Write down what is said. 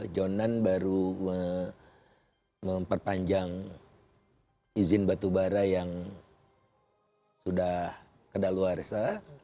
jonan baru memperpanjang izin batubara yang sudah kedaluarsa